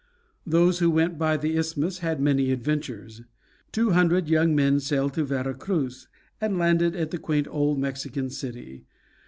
Those who went by the Isthmus had many adventures. Two hundred young men sailed to Vera Cruz, and landed at that quaint old Mexican city.